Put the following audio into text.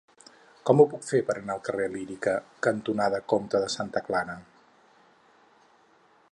Com ho puc fer per anar al carrer Lírica cantonada Comte de Santa Clara?